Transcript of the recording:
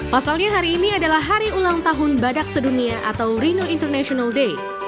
pasalnya hari ini adalah hari ulang tahun badak sedunia atau reno international day